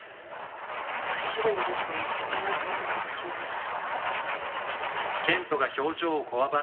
会社での立場も危うくなるかもしれないし。